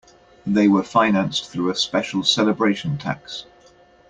They were financed through a special celebration tax.